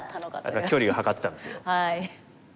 だから距離を測ってたんですよ。